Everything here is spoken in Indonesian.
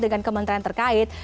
dengan kementerian terkait